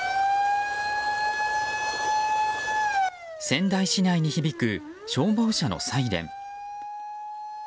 仙台市内に響く消防車のサイレン。